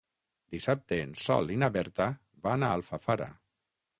Dissabte en Sol i na Berta van a Alfafara.